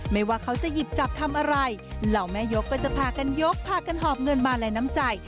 ว่าเขาจะหยิบจับทำอะไรเหล่าแม่ยกก็จะพากันยกพากันหอบเงินมาและน้ำใจ